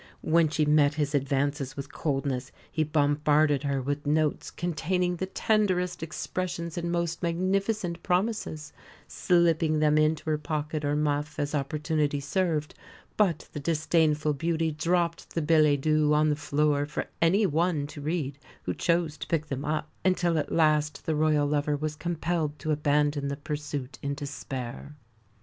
When she met his advances with coldness, he bombarded her with notes "containing the tenderest expressions and most magnificent promises," slipping them into her pocket or muff, as opportunity served; but the disdainful beauty dropped the billets doux on the floor for any one to read who chose to pick them up, until at last the Royal lover was compelled to abandon the pursuit in despair.